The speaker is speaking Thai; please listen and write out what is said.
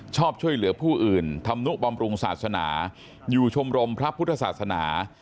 ชอบช่วยเหลือผู้อื่นธรรมนุบำรุงศาสนาอยู่ชมรมพระพุทธศาสนา